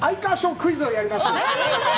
クイズをやります。